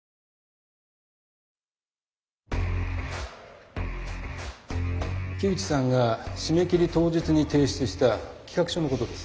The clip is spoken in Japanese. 回想木内さんが締め切り当日に提出した企画書のことです。